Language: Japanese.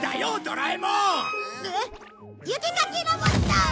えっ！雪かきロボット！